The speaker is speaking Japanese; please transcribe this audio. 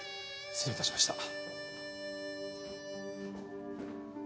失礼致しました。